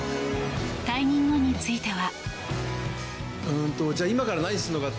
退任後については。